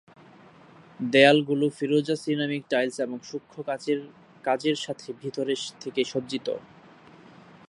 দেয়ালগুলো ফিরোজা ceramic tiles এবং সূক্ষ্ম কাচের কাজের সাথে ভিতরে থেকে সজ্জিত।